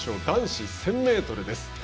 男子１０００ｍです。